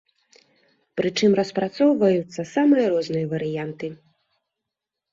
Прычым распрацоўваюцца самыя розныя варыянты.